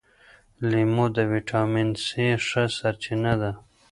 لیمو د ویټامین سي ښه سرچینه ده.